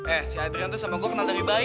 eh si adrian tuh sama gue kenal dari bayi